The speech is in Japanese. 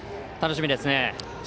楽しみですね。